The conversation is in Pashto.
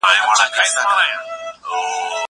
زه پرون مکتب ته وم!